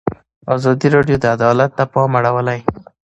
ازادي راډیو د عدالت ته پام اړولی.